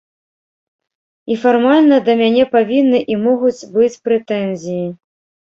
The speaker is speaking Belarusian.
І фармальна да мяне павінны і могуць быць прэтэнзіі.